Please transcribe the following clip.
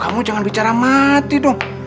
kamu jangan bicara mati dong